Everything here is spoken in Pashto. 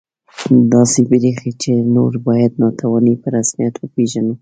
داسې بریښي چې نور باید ناتواني په رسمیت وپېژنو